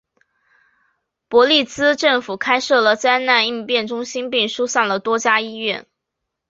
伯利兹政府开设了灾害应变中心并疏散了多家医院。